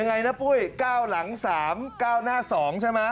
ยังไงนะปุ้ย๙หลัง๓๙หน้า๒ใช่ไหม